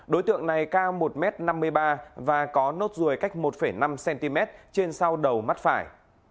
đối tượng này cao một m năm mươi ba và có nốt ruồi cách một năm cm trên sau đầu mắt phải